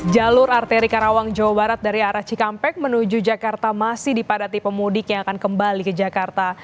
jalur arteri karawang jawa barat dari arah cikampek menuju jakarta masih dipadati pemudik yang akan kembali ke jakarta